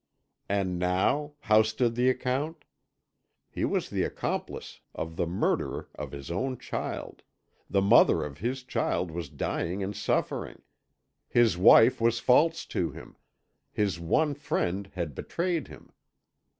And now how stood the account? He was the accomplice of the murderer of his own child the mother of his child was dying in suffering his wife was false to him his one friend had betrayed him.